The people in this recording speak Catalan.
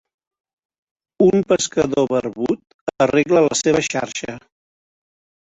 Un pescador barbut arregla la seva xarxa.